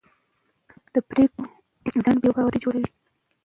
د پرېکړو ځنډ بې باوري جوړوي